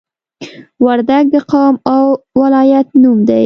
وردګ د قوم او ولایت نوم دی